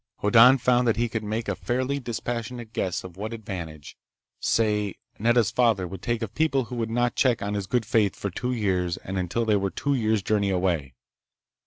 Hoddan found that he could make a fairly dispassionate guess of what advantage—say—Nedda's father would take of people who would not check on his good faith for two years and until they were two years' journey away.